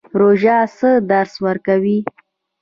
روژه څه درس ورکوي؟